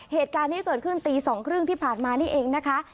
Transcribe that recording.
เหตุการณ์นี้เกิดขึ้นตี๒๓๐ที่ผ่านมานี่เองนะคะ